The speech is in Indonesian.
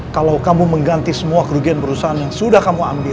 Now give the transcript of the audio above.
kalau kamu mengganti semua kerugian perusahaan yang sudah kamu ambil